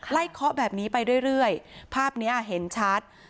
เคาะแบบนี้ไปเรื่อยภาพนี้เห็นชัด